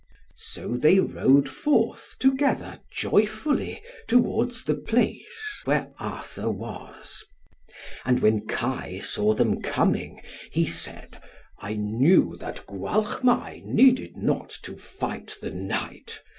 So they rode forth together joyfully towards the place where Arthur was; and when Kai saw them coming, he said, "I knew that Gwalchmai needed not to fight the knight.